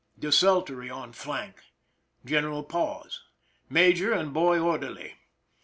Des Tiltory on flank. General pause. Major and boy orderly.